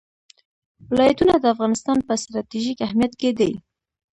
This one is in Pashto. ولایتونه د افغانستان په ستراتیژیک اهمیت کې دي.